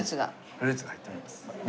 フルーツが入っております。